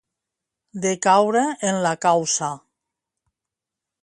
Decaure en la causa.